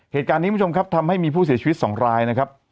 เหตุการณ์นี้คุณผู้ชมครับทำให้มีผู้เสียชีวิตส่องลายนะครับ